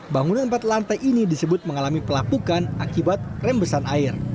bangunan empat lantai ini disebut mengalami pelapukan akibat rembesan air